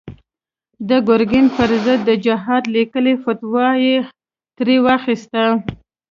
د ګرګين پر ضد د جهاد ليکلې فتوا يې ترې واخيسته.